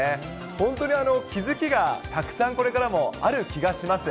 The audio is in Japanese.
本当に気付きがたくさんこれからもある気がします。